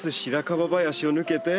林を抜けて。